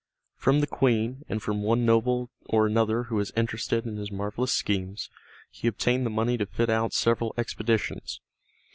From the Queen, and from one noble or another who was interested in his marvelous schemes, he obtained the money to fit out several expeditions.